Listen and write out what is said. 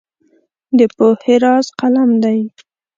د پوهې راز قلم دی.